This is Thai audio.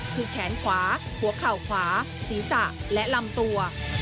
คือแขนขวาหัวเข่าขวาศีรษะและลำตัว